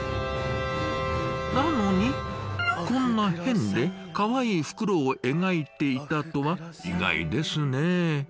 なのにこんなヘンでかわいいフクロウを描いていたとは意外ですね。